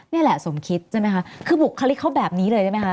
นี่แหละสมคิดใช่ไหมคะคือบุคลิกเขาแบบนี้เลยใช่ไหมคะ